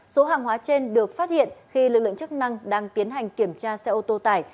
số hàng hóa trên được phát hiện khi lực lượng chức năng đang tiến hành kiểm tra xe ô tô tải